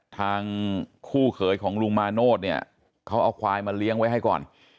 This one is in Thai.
ทางคู่เขยของลุงมาโนธเนี่ยเขาเอาควายมาเลี้ยงไว้ให้ก่อน